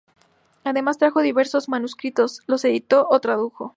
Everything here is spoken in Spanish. Además trajo diversos manuscritos, los editó o tradujo.